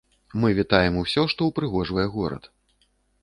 Мы вітаем усё, што ўпрыгожвае горад.